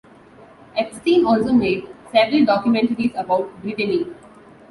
Epstein also made several documentaries about Brittany.